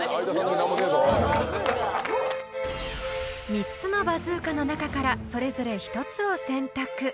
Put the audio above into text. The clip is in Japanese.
［３つのバズーカの中からそれぞれ１つを選択］